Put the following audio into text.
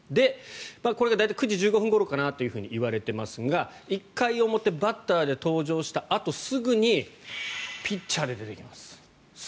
これが大体９時１５分ぐらいかなといわれていますが１回表バッターで登場したあとすぐにピッチャーで出てきます。